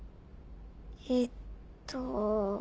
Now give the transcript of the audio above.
えっと。